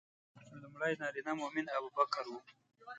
لومړی نارینه مؤمن ابوبکر و.